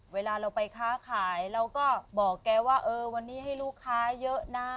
เวลาเราไปค้าขายเราก็บอกแกว่าเออวันนี้ให้ลูกค้าเยอะนะ